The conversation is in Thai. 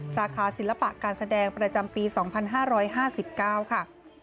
สาขาศิลปะการแสดงประจำปี๒๕๕๙ค่ะ